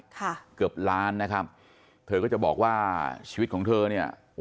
เกือบล้านนะครับเธอก็จะบอกว่าชีวิตของเธอ